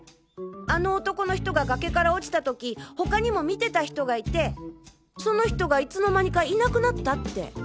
あの男の人が崖から落ちた時他にも見てた人がいてその人がいつの間にかいなくなったって。